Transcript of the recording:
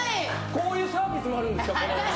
こういうサービスもあるんですか、このお店。